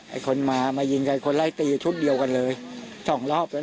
ไอ้คนมามายิงกับไอ้คนไล่ตีชุดเดียวกันเลยสองรอบแล้วเนี้ย